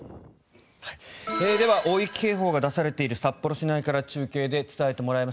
では大雪警報が出されている札幌市内から中継で伝えてもらいます。